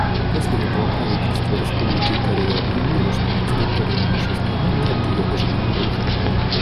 После этого правительство Республики Корея объявило, что на территории нашей страны нет ядерного оружия.